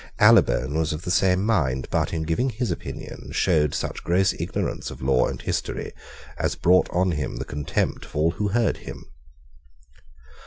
Allybone was of the same mind, but, in giving his opinion, showed such gross ignorance of law and history as brought on him the contempt of all who heard him.